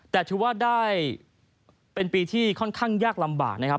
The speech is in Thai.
แต่ถือว่าได้เป็นปีที่ค่อนข้างยากลำบากนะครับ